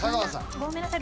ごめんなさい。